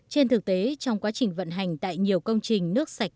trên thực tế trong quá trình vận hành tại nhiều công trình nước sạch